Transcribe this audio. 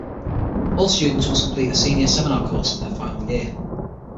All students must complete a senior seminar course in their final year.